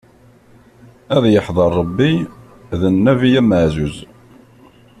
Ad yeḥḍer Ṛebbi, d Nnabi amaɛzuz.